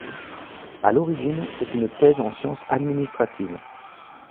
À l'origine, c'est une thèse en sciences administratives.